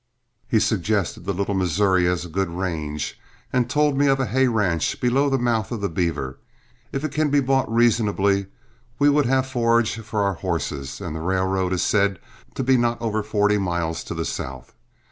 He suggested the Little Missouri as a good range, and told me of a hay ranch below the mouth of the Beaver. If it can be bought reasonably, we would have forage for our horses, and the railroad is said to be not over forty miles to the south.